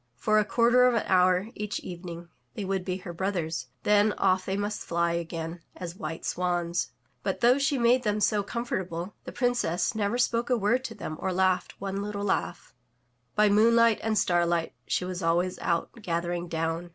For a quarter of an hour each evening they would be her brothers, then off they must fly again as white swans. But, though she made them so com fortable, the Princess never spoke a word to them or laughed one little laugh. By moonlight and starlight she was always out gathering down.